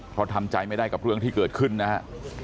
เพราะทำใจไม่ได้กับเรื่องที่เกิดขึ้นนะฮะ